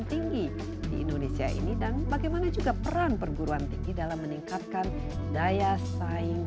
tinggi di indonesia ini dan bagaimana juga peran perguruan tinggi dalam meningkatkan daya saing